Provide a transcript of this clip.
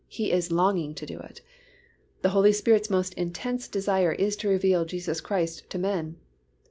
He is longing to do it. The Holy Spirit's most intense desire is to reveal Jesus Christ to men.